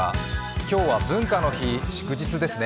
今日は文化の日、祝日ですね。